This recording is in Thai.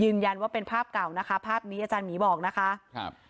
ว่าเป็นภาพเก่านะคะภาพนี้อาจารย์หมีบอกนะคะครับ